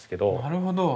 なるほど。